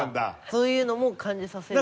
そういうのも感じさせる。